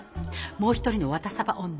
もう一人のワタサバ女